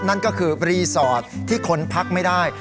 นั่นก็คือรีสอร์ทที่คนพักไม่ได้